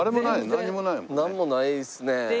なんもないですね。